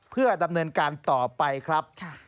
เพื่อดำเนินการต่อไปครับ